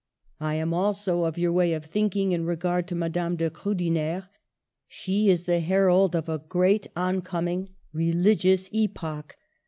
I am alsa of your way of thinking in regard to Madame de Kriidener. She is the herald of a great oncoming religious epoch.